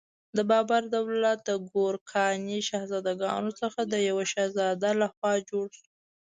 د بابر دولت د ګورکاني شهزادګانو څخه د یوه شهزاده لخوا جوړ شو.